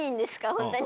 本当に。